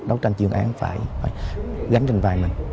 đấu tranh chiến án phải gánh trên vai mình